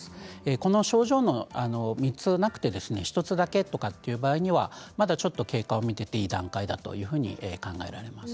この症状の３つがなくて１つだけという場合にはまだちょっと経過を見ていい段階だと考えられます。